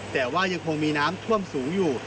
แต่ว่ายังคงมีน้ำท่วมสูงอยู่